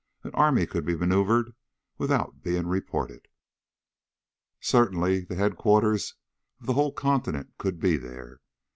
An army could be maneuvered without being reported. Certainly the headquarters for the whole continent could be there.